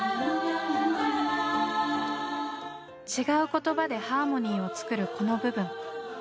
違う言葉でハーモニーを作るこの部分。